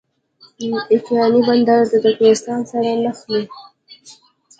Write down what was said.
د اقینې بندر له ترکمنستان سره نښلي